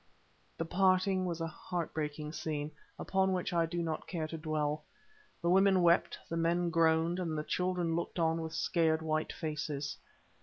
The parting was a heart breaking scene, upon which I do not care to dwell. The women wept, the men groaned, and the children looked on with scared white faces.